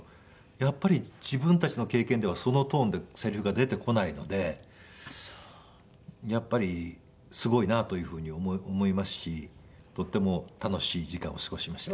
やっぱり自分たちの経験ではそのトーンでセリフが出てこないのでやっぱりすごいなというふうに思いますしとっても楽しい時間を過ごしました。